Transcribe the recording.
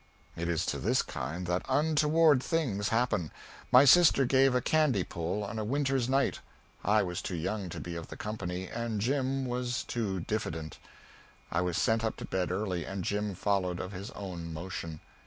It is to this kind that untoward things happen. My sister gave a "candy pull" on a winter's night. I was too young to be of the company, and Jim was too diffident. I was sent up to bed early, and Jim followed of his own motion.